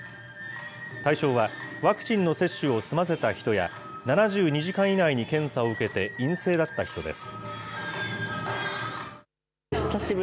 対象は、ワクチンの接種を済ませた人や、７２時間以内に検査を受けて陰性だった人です。